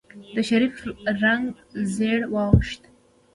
د شريف رنګ زېړ واوښت.